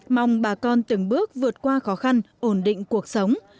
mong bà con từng bước vượt qua khó khăn ổn định cuộc sống